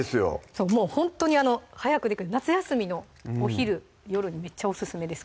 そうもうほんとに早くできる夏休みのお昼夜にめっちゃオススメです